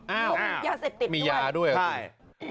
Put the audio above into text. อ้าวมียาเสร็จติดด้วยใช่มียาด้วยหรือเปล่าอ้าว